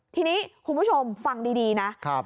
ทีนี้คุณผู้ชมฟังดีนะ